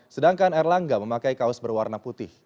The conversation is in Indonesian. sedangkan erlangga memakai kaos berwarna putih